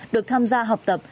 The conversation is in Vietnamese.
được tham gia học tập